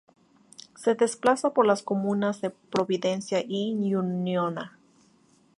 Se desplaza por las comunas de Providencia y Ñuñoa.